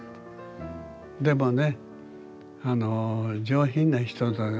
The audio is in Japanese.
でもね」。